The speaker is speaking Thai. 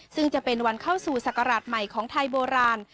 ซึ่งจะเป็นวันเข้าสู่ศักราชใหม่ของไทยโบราณ